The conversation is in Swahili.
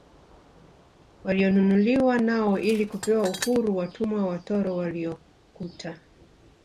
Walionunuliwa nao ili kupewa uhuru watumwa watoro waliokuta